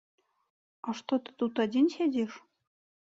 А што ты тут адзін сядзіш?